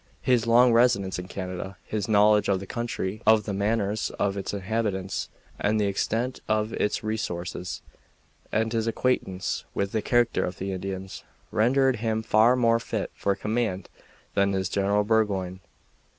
His long residence in Canada, his knowledge of the country, of the manners of its inhabitants and the extent of its resources, and his acquaintance with the character of the Indians, rendered him far more fit for command than was General Burgoyne.